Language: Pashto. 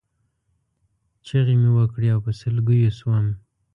چغې مې وکړې او په سلګیو شوم.